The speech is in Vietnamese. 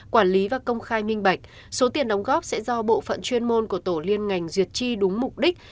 quản lý và công khai minh bạch số tiền đóng góp sẽ do bộ phận chuyên môn của tổ liên ngành duyệt chi đúng mục đích